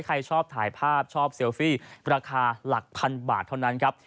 ใครชอบถ่ายภาพชอบเซลฟี่ราคาหลักพันบาทเท่านั้นครับ